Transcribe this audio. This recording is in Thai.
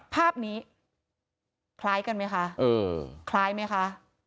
ภาพนี้คล้ายกันไหมคะคล้ายไหมคะ